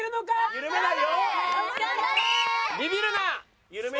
緩めない！